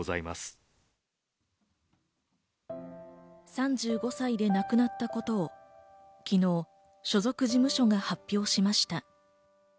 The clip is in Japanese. ３５歳で亡くなったことを昨日を所属事務所が発表しました。